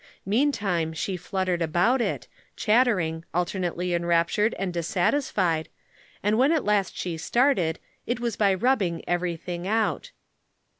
Meantime she fluttered about it, chattering, alternately enraptured and dissatisfied, and when at last she started, it was by rubbing everything out.